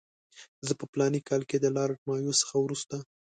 زه په فلاني کال کې د لارډ مایو څخه وروسته.